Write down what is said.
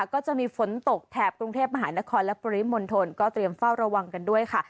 ก็จะมีฝนตกแถบกรุงเทพมหานครและปริมณฑลก็เตรียมเฝ้าระวังกันด้วยค่ะ